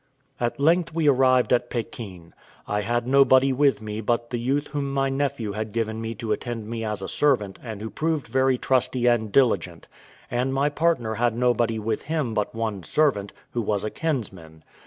At length we arrived at Pekin. I had nobody with me but the youth whom my nephew had given me to attend me as a servant and who proved very trusty and diligent; and my partner had nobody with him but one servant, who was a kinsman.